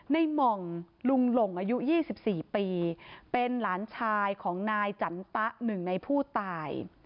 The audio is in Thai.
หม่องลุงหลงอายุ๒๔ปีเป็นหลานชายของนายจันตะหนึ่งในผู้ตาย